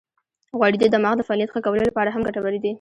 غوړې د دماغ د فعالیت ښه کولو لپاره هم ګټورې دي.